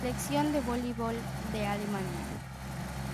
Selección de voleibol de Alemania